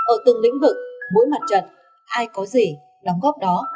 ở từng lĩnh vực mỗi mặt trận ai có gì đóng góp đó